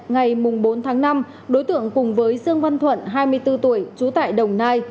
ngày bốn tháng năm đối tượng cùng với dương văn thuận hai mươi bốn tuổi trú tại đồng nai